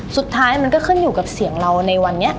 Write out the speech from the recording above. สุดท้ายมันก็ขึ้นอยู่กับเสียงเราในวันนี้